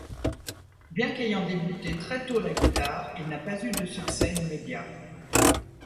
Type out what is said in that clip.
Bien qu'ayant débuté très tôt la guitare il n'a pas eu de succès immédiat.